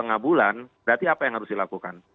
kurang lebih satu lima bulan berarti apa yang harus dilakukan